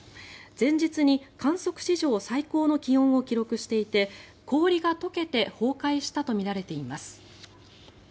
前日に観測史上最高の気温を記録していて氷が解けて崩壊したとみられています。